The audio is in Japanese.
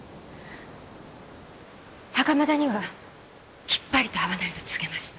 袴田にはきっぱりと会わないと告げました。